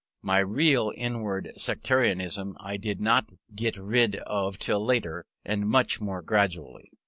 My real inward sectarianism I did not get rid of till later, and much more gradually.